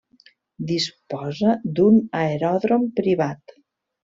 Disposa d'un aeròdrom privat.